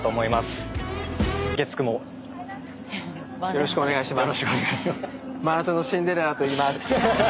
よろしくお願いします。